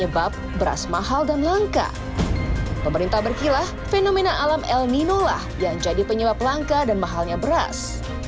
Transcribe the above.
berarti harga beras di beberapa daerah sudah menunjukkan penurunan dari ada yang turun